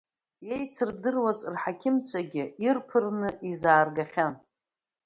Иеицырдыруаз рҳақьымцәагьы ирԥырны изааргахьан.